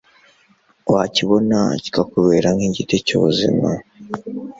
wakibona kikawubera nk’igiti cy’ubuzima